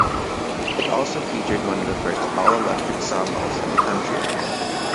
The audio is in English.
It also featured one of the first all-electric sawmills in the country.